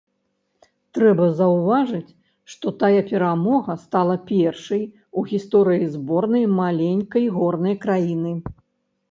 Трэба заўважыць, што тая перамога стала першай у гісторыі зборнай маленькай горнай краіны.